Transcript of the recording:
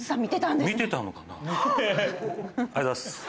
見てたのかな？